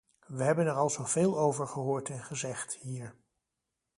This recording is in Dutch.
We hebben er al zoveel over gehoord en gezegd, hier.